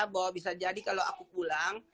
bahwa bisa jadi kalau aku pulang